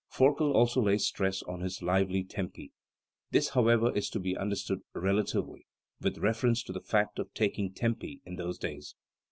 Forkel also lays stress on his lively tempi. This however is to be understood relatively, with reference to the way of taking tempi in those days.